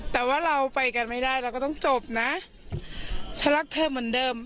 แต่ว่าเราไปกันไม่ได้เราก็ต้องจบนะฉันรักเธอเหมือนเดิม